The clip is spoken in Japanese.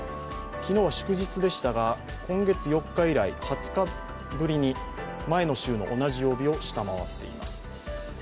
昨日は祝日でしたが、今月４日以来２０日ぶりに前の週の同じ曜日を下回っています。